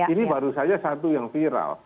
ini baru saja satu yang viral